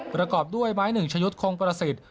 ประกอบด้วยไม้๑ชะยุดคงประสิทธิ์